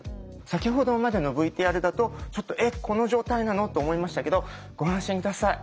先ほどまでのＶＴＲだと「ちょっとえっこの状態なの？」と思いましたけどご安心下さい。